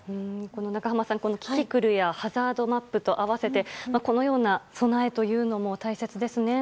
長濱さん、キキクルやハザードマップと合わせてこのような備えも大切ですね。